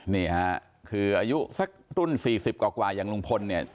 นี่ค่ะคืออายุสักรุ่น๔๐กว่าอย่างลุงพลเนี่ย